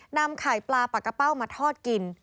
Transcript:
นำไข่ปลาปากกะเป้ามาทอดกิน